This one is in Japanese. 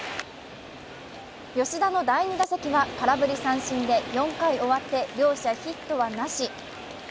吉田の第２打席は空振り三振で４回終わって両者ヒットはなし。